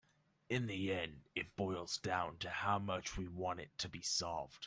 In the end it boils down to how much we want it to be solved.